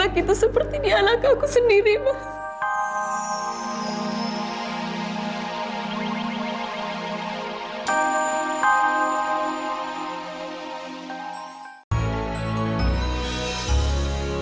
aku mau punya anak dari kamu bukan jessica